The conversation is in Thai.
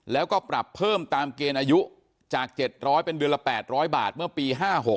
แล้วก็ปรับเพิ่มตามเกณฑ์อายุจาก๗๐๐เป็นเดือนละ๘๐๐บาทเมื่อปี๕๖